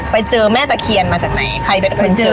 ไปเจอแม่ตะเคียนมาจากไหนใครไปเจอ